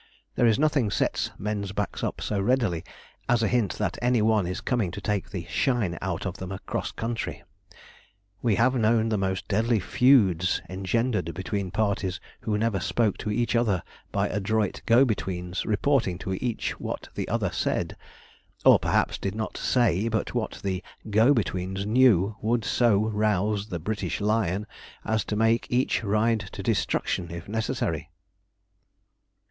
There is nothing sets men's backs up so readily, as a hint that any one is coming to take the 'shine' out of them across country. We have known the most deadly feuds engendered between parties who never spoke to each other by adroit go betweens reporting to each what the other said, or, perhaps, did not say, but what the 'go betweens' knew would so rouse the British lion as to make each ride to destruction if necessary.